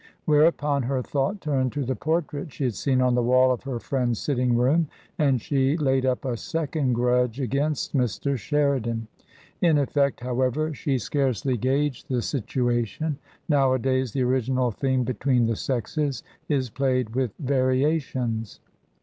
Whereupon her thought turned to the portrait she had seen on the wall of her friend's sitting room, and she laid up a second grudge against Mr. Sheridan. In effect, however, she scarcely gauged the situation ; nowadays the original theme be tween the sexes is played with variations.